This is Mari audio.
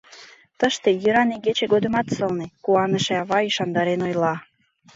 — Тыште йӱран игече годымат сылне, — куаныше ава ӱшандарен ойла.